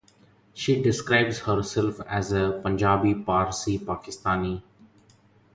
She describes herself as a "Punjabi-Parsi-Pakistani".